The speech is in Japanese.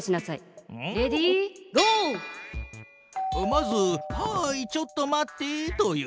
まず「はいちょっと待って」と言う。